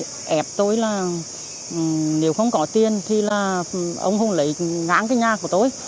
ông hùng đó ẹp tôi là nếu không có tiền thì ông hùng lấy ngãn cái nhà của tôi